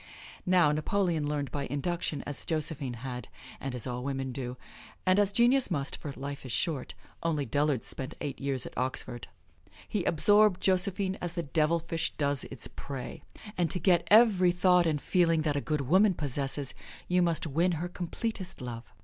Now, Napoleon learned by induction as Josephine had, and as all women do, and as genius must, for life is short only dullards spend eight years at Oxford. He absorbed Josephine as the devilfish does its prey. And to get every thought and feeling that a good woman possesses you must win her completest love.